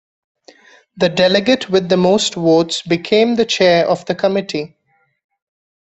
The delegate with the most votes became the chair of the committee.